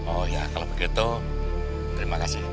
oh ya kalau begitu terima kasih